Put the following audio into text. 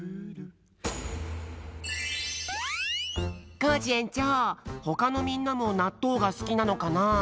コージえんちょうほかのみんなもなっとうがすきなのかな？